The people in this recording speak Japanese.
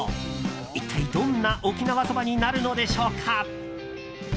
一体どんな沖縄そばになるのでしょうか。